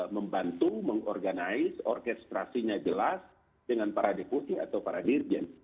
membantu mengorganize orkestrasinya jelas dengan para deputi atau para dirjen